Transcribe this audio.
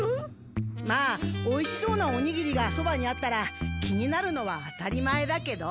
まあおいしそうなおにぎりがそばにあったら気になるのは当たり前だけど。